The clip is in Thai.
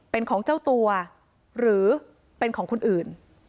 เป็นของเจ้าตัวหรือเป็นของคนอื่น